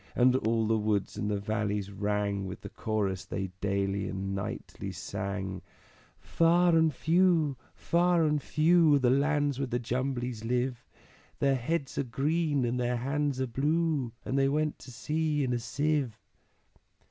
And all the woods and the valleys rang With the Chorus they daily and nightly sang, "_Far and few, far and few, Are the lands where the Jumblies live; Their heads are green, and their hands are blue, And they went to sea in a sieve.